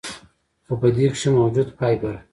خو پۀ دې کښې موجود فائبر ،